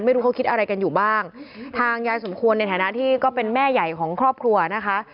ไม่รู้เขาคิดอะไรกันอยู่บ้างทางยายสมควรในฐานะที่ก็เป็นแม่ใหญ่ของครอบครัวนะคะ